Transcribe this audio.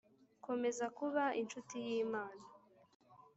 Komeza kuba incuti y Imana